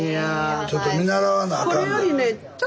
ちょっと見習わなあかんで。